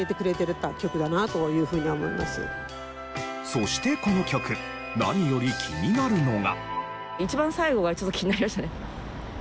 そしてこの曲何より気になるのが。